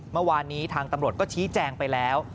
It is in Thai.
เมื่อวานนี้ทางตำรวจก็ชี้แจงไปแล้ว